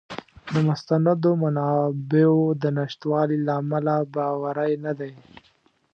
د مستندو منابعو د نشتوالي له امله باوری نه دی.